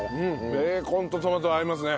ベーコンとトマトは合いますね。